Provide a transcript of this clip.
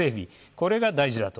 これが大事だと。